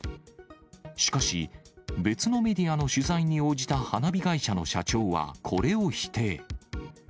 しかし、別のメディアの取材に応じた花火会社の社長はこれを否定。